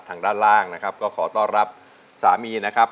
ทางด้านล่างนะครับก็ขอต้อนรับสามีนะครับ